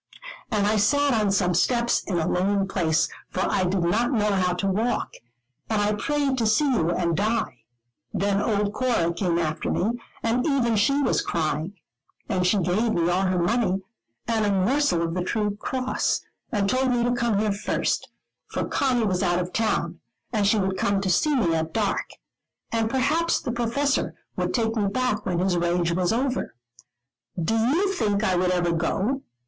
And I sat on some steps in a lonely place, for I did not know how to walk, and I prayed to see you and die: then old Cora came after me, and even she was crying, and she gave me all her money, and a morsel of the true cross, and told me to come here first, for Conny was out of town, and she would come to see me at dark; and perhaps the Professor would take me back when his rage was over. Do you think I would ever go?